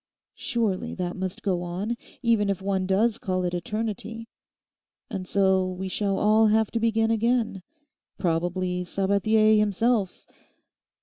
Surely that must go on, even if one does call it eternity. And so we shall all have to begin again. Probably Sabathier himself....